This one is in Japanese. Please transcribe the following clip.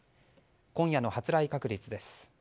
今夜の発雷確率です。